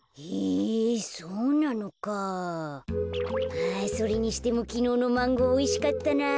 あそれにしてもきのうのマンゴーおいしかったなぁ。